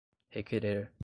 requerer